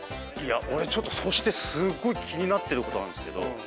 俺ちょっとそしてすごい気になってることがあるんですが。